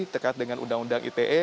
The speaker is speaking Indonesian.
terkait dengan undang undang ite